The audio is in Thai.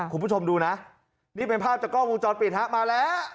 คุณผู้ชมดูนะนี่เป็นภาพจากกล้องวงจรปิดฮะมาแล้ว